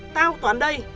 tao toán đây